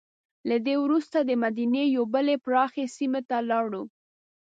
له دې وروسته دمدینې یوې بلې پراخې سیمې ته لاړو.